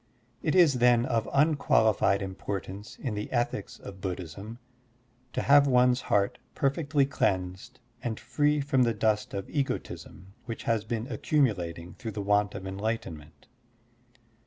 It is, then, of tmqualified importance in the ethics of Buddhism to have one's heart perfectly cleansed and free from the dust of egotism which has been acctunulating through the want of enlightenment.